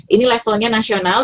ini levelnya nasional